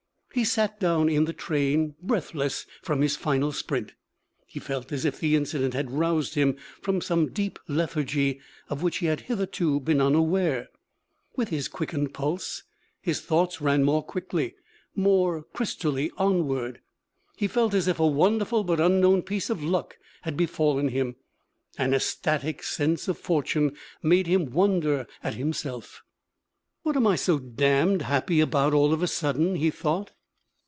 He sat down in the train, breathless from his final sprint. He felt as if the incident had roused him from some deep lethargy of which he had hitherto been unaware. With his quickened pulse, his thoughts ran more quickly, more crystally onward. He felt as if a wonderful but unknown piece of luck had befallen him. An ecstatic sense of fortune made him wonder at himself. 'What am I so damned happy about, all of a sudden?' he thought.